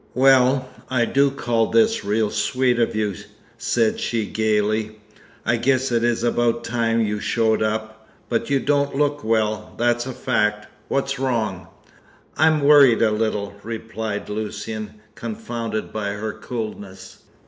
"Well, I do call this real sweet of you," said she gaily. "I guess it is about time you showed up. But you don't look well, that's a fact. What's wrong?" "I'm worried a little," replied Lucian, confounded by her coolness.